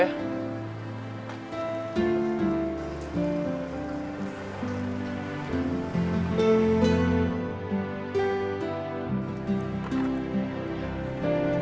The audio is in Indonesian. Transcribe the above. ya kita ke sekolah